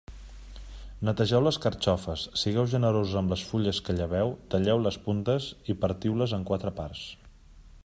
Netegeu les carxofes, sigueu generosos amb les fulles que lleveu, talleu les puntes i partiu-les en quatre parts.